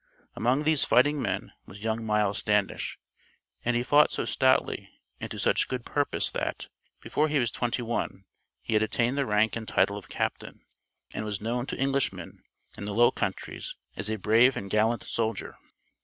Among these fighting men was young Miles Standish, and he fought so stoutly and to such good purpose that, before he was twenty one he had attained the rank and title of captain, and was known to Englishmen in the Low Countries as a brave and gallant soldier.